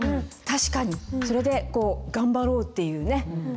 確かにそれでこう頑張ろうっていうね